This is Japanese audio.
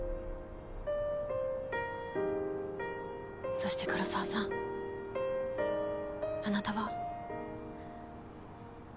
そして黒澤さんあなたは。